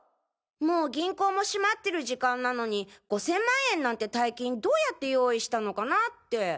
もう銀行も閉まってる時間なのに５０００万円なんて大金どうやって用意したのかなあって。